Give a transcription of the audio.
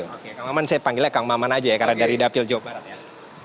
oke kang maman saya panggilnya kang maman aja ya karena dari dapil jawa barat ya